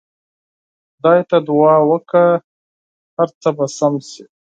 خدای ته دعا وکړه هر څه به سم سي.